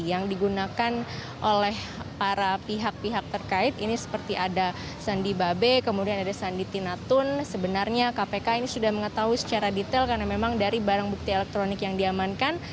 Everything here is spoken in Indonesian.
yang digunakan oleh para pihak pihak terkait ini seperti ada sandi babe kemudian ada sandi tinatun sebenarnya kpk ini sudah mengetahui secara detail karena memang dari barang bukti elektronik yang diamankan